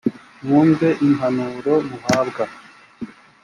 mwumve impanuro muhabwa.